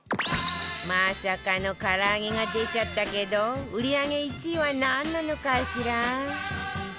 まさかの唐揚げが出ちゃったけど売り上げ１位はなんなのかしら？